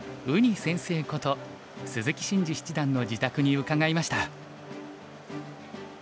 ウニ先生こと鈴木伸二七段の自宅に伺いました。